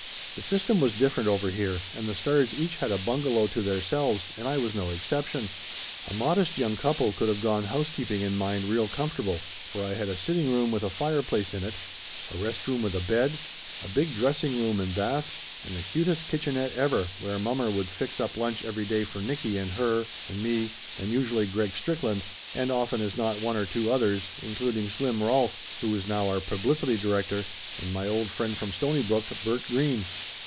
The system was different over here, and the stars each had a bungalow to theirselves, and I was no exception. A modest young couple could of gone housekeeping in mine real comfortable, for I had a sitting room with a fire place in it, a rest room with a bed, a big dressing room and bath, and the cutest kitchenette ever, where mom mer would fix up lunch every day for Nicky and her and me and usually Greg Strickland, and often as not one or two others, including Slim Rolf, who was now our publicity director, and my old friend from Stoney brook, Bert Green.